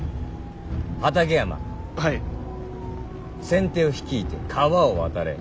先手を率いて川を渡れ。